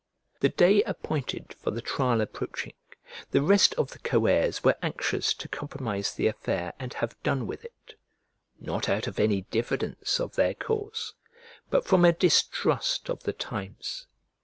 The day appointed for the trial approaching, the rest of the co heirs were anxious to compromise the affair and have done with it, not out of any diffidence of their cause, but from a distrust of the times.